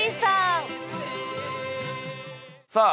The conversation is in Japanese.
さあ